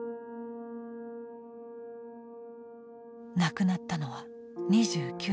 亡くなったのは２９歳。